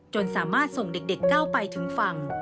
สามารถส่งเด็กก้าวไปถึงฝั่ง